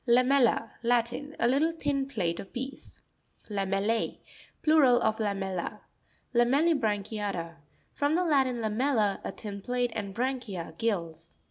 Lame'LLa.—Latin. A little thin plate surface or piece. Lame'LL#.—Plural of lamella. LAME' LLIBRA'NCHIATA — From the Latin, lamella, a thin plate, and branchia, gills.